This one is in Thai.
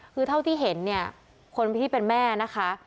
คือเท่าที่เห็นเนี่ยคนที่เป็นแม่นะคะ